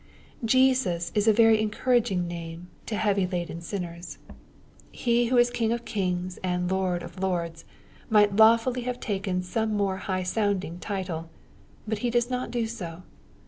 Jesus is a very encouraging name to heavy laden sinners* MATTHEW, CHAP. 1. 7 He who is King of kings and Lord of lords might law fully have taken some more high sounding title. But He does not do so.